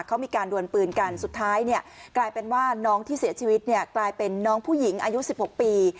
เขามีการดวนปืนกันสุดท้ายเนี่ยกลายเป็นว่าน้องที่เสียชีวิตเนี่ยกลายเป็นน้องผู้หญิงอายุ๑๖ปี